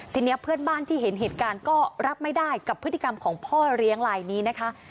ทีนี้เพื่อนบ้านที่เห็นเหตุการณ์ก็รับไม่ได้กับพฤติกรรมของพ่อเลี้ยงลายนี้นะคะ